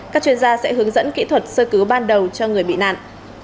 các chuyên gia sẽ hướng dẫn kỹ thuật sơ cứu ban đầu cho người bị nạn